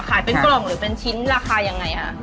เป็นกล่องหรือเป็นชิ้นราคายังไงคะ